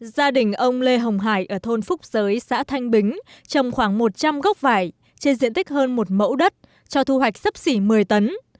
gia đình ông lê hồng hải ở thôn phúc giới xã thanh bính trồng khoảng một trăm linh gốc vải trên diện tích hơn một mẫu đất cho thu hoạch sấp xỉ một mươi tấn